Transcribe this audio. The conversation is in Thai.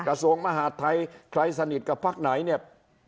กระทรวงมหาดไทยใครสนิทกับพักไหนเนี่ย